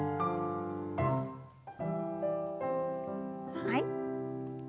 はい。